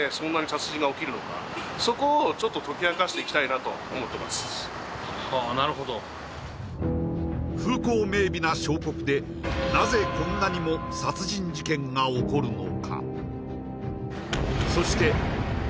あのもうはいはあなるほど風光明媚な小国でなぜこんなにも殺人事件が起こるのか？